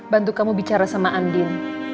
bantu kamu bicara sama andin